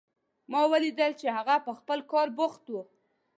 ما ولیدل چې هغه په خپل کار بوخت و